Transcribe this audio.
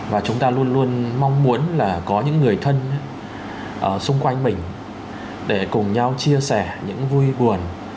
và chúng ta luôn luôn mong muốn là có những người thân xung quanh mình để cùng nhau chia sẻ những vui buồn